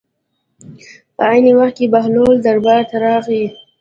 په عین وخت کې بهلول دربار ته راغی.